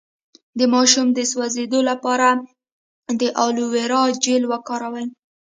د ماشوم د سوځیدو لپاره د الوویرا جیل وکاروئ